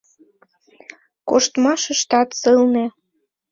Куштмашыштат сылне.